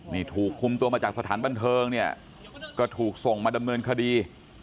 นี่ถูกคุมตัวมาจากสถานบันเทิงเนี่ยก็ถูกส่งมาดำเนินคดี